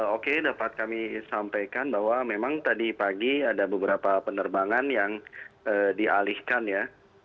oke dapat kami sampaikan bahwa memang tadi pagi ada beberapa penerbangan yang dialihkan ya